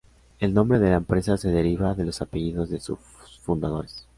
El nombre de la empresa se deriva de los apellidos de sus fundadores.